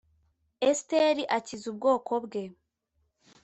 Esiteri akiza ubwoko bwe